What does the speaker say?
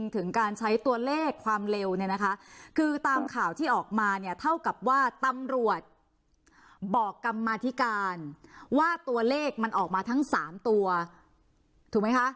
เต้นเข้ากับว่าตำรวจบอกกรรมาติการว่าตัวเลขมันออกมาทั้ง๓ตัวถูกไหมค่ะ